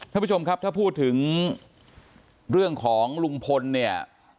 ท่านผู้ชมครับถ้าพูดถึงเรื่องของลุงพลเนี่ย